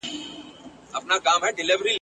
لکه جوړه له ګوهرو له الماسه ,